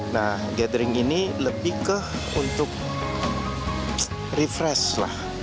nah gathering ini lebih ke untuk refresh lah